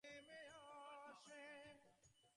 আমাকে হয়তো সিঁড়ি নিতে হবে।